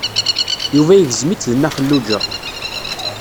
Yuba igzem-itt d Nna Xelluǧa.